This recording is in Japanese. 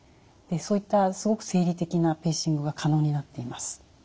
そういったすごく生理的なペーシングが可能になっています。